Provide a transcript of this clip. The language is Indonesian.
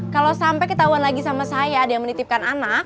kalau sampai ketahuan lagi sama saya ada yang menitipkan anak